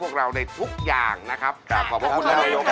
มหาสนุกในใจของมหาสนุก